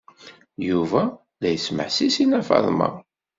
Yuba la yesmeḥsis i Nna Faḍma.